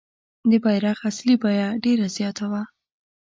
د بیرغ اصلي بیه ډېره زیاته وه.